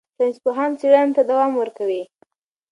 ساینسپوهان څېړنې ته دوام ورکوي.